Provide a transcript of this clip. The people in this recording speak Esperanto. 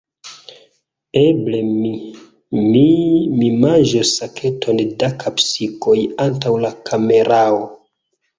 Eble mi, mi... mi manĝos saketon da kapsikoj antaŭ la kamerao.